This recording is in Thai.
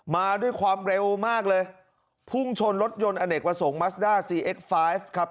มาด้วยความเร็วมากเลยพุ่งชนรถยนต์อเนกประสงค์มัสด้าซีเอ็กไฟฟ์ครับ